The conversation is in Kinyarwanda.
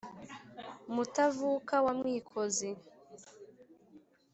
Mutavuka wa Mwikozi